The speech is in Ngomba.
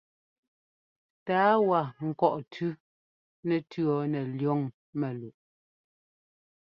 Tǎa wa kɔ̂ʼ tʉ́ nɛtʉ̈ nɛ liɔŋ mɛ́luʼ.